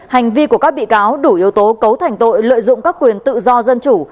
hành vi của các bị cáo đủ yếu tố cấu thành tội lợi dụng các quyền tự do dân chủ